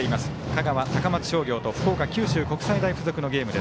香川、高松商業と福岡、九州国際大付属のゲーム。